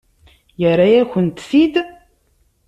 Yerra-yakent-t-id.